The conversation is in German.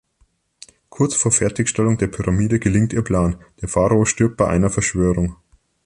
Kurz vor Fertigstellung der Pyramide gelingt ihr Plan: der Pharao stirbt bei einer Verschwörung.